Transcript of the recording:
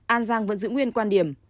an giang vẫn giữ nguyên quan điểm